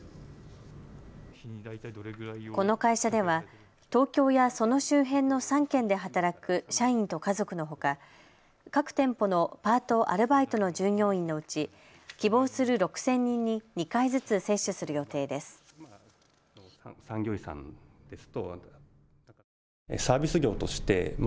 この会社では東京やその周辺の３県で働く社員と家族のほか各店舗のパート、アルバイトの従業員のうち希望する６０００人に２回ずつ接種する予定です。